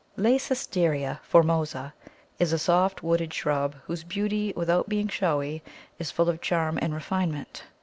Leycesteria formosa is a soft wooded shrub, whose beauty, without being showy, is full of charm and refinement.